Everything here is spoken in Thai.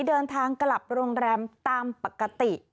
เดินทางกลับโรงแรมตามปกติ